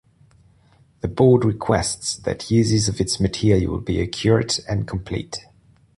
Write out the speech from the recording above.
The Board requests that uses of its material be accurate and complete.